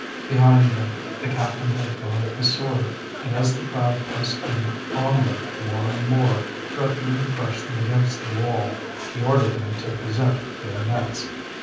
Behind them the captain had drawn his sword, and as the crowd pressed in on them more and more, threatening to crush them against the wall, he ordered them to present bayonets.